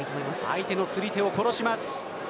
相手の釣り手を殺します。